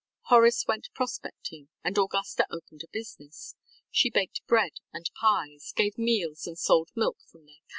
Horace went prospecting and Augusta opened a business. She baked bread and pies, gave meals and sold milk from their cows.